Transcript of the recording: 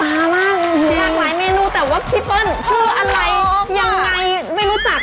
มันเหมือนหลายเมนูแต่ว่าเพี่เปิ้ลชื่ออะไรไม่รู้จัก